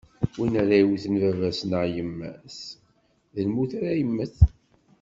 Win ara yewten baba-s neɣ yemma-s, d lmut ara yemmet.